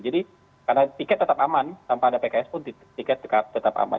jadi karena tiket tetap aman tanpa ada pks pun tiket tetap aman